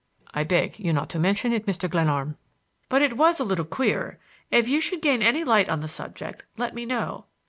"I beg you not to mention it, Mr. Glenarm." "But it was a little queer. If you should gain any light on the subject, let me know."